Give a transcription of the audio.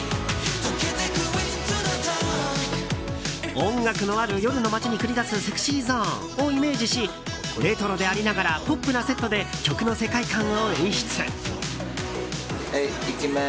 音楽のある夜の街に繰り出すＳｅｘｙＺｏｎｅをイメージしレトロでありながらポップなセットで曲の世界観を演出。